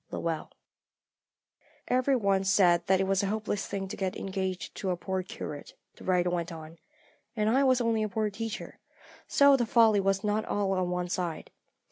LOWELL. "Every one said that it was a hopeless thing to get engaged to a poor curate," the writer went on, "and I was only a poor teacher, so the folly was not all on one side.